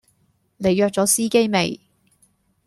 你約左司機未？